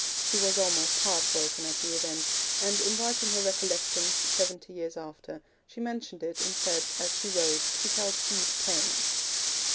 She was almost heart broken at the event, and in writing her Recollections, seventy years after, she mentioned it and said that, as she wrote, she felt deep pain.